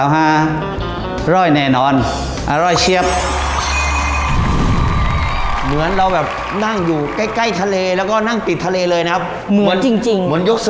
มันยกสมุยว่าอยู่ที่นี่หรือยัง